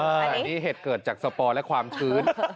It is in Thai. หัวหน้าเย็นี่หัวหน้ากาวเหตุเกิดจากสปอร์และความชื้น